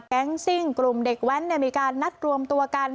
ซิ่งกลุ่มเด็กแว้นมีการนัดรวมตัวกัน